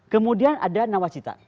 kemudian ada nawacita